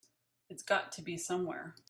It's got to be somewhere.